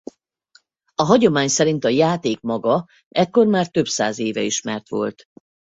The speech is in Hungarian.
A hagyomány szerint a játék maga ekkor már több száz éve ismert volt.